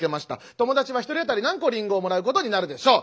友達は１人当たり何個リンゴをもらうことになるでしょう？